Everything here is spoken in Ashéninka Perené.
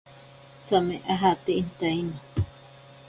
Tsame ajate intaina.